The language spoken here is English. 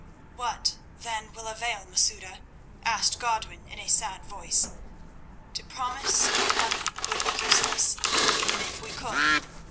"What, then, will avail, Masouda?" asked Godwin in a sad voice. "To promise you money would be useless, even if we could."